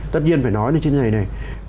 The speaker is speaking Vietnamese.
tất nhiên phải nói như thế này